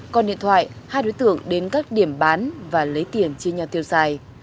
còn điện thoại hai đối tượng đến các điểm bán và lấy tiền chia nhau tiêu xài